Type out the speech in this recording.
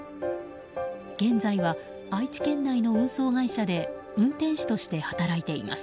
現在は、愛知県内の運送会社で運転手として働いています。